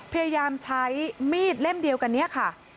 พยายามใช้มีดเล่มเดียวกันนี้ค่ะ